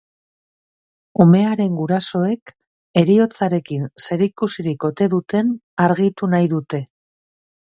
Umearen gurasoek heriotzarekin zerikusirik ote duten argitu nahi dute.